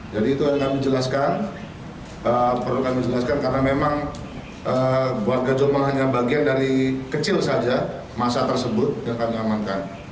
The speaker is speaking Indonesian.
jadi itu yang kami jelaskan perlu kami jelaskan karena memang warga jombang hanya bagian dari kecil saja masa tersebut yang kami amankan